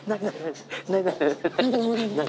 何？